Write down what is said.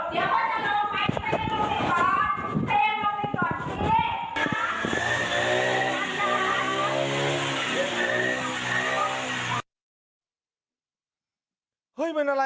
เดี๋ยวเขาจะลงไปจะยังลงไปก่อนจะยังลงไปก่อนสิ